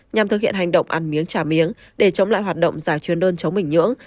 nhằm thực hiện hành động ăn miếng trả miếng để chống lại hoạt động giả chuyên đơn chống bình nhưỡng